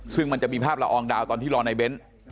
ซึ่งมันจะมีภาพละอองดาวตอนที่รอในเบ้น